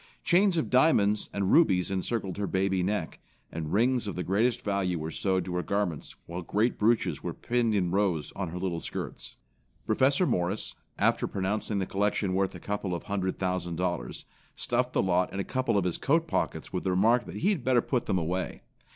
Chains of diamonds and rubies encircled her baby neck, and rings of the greatest value were sewed to her garments, while great brooches were pinned in rows on her little skirts. Professor Morris, after pronouncing the collection worth a couple of hundred thousand dollars, stuffed the lot in a couple of his coat pockets with the remark that he had better put them away!